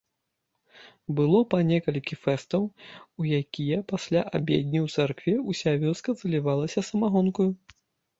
Было па некалькі фэстаў, у якія пасля абедні ў царкве ўся вёска залівалася самагонкаю.